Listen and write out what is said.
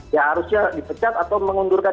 ya harusnya dipecat atau mengundurkan